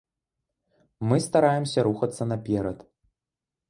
Мы стараемся рухацца наперад.